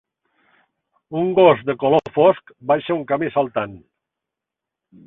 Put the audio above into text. Un gos de color fosc baixa un camí saltant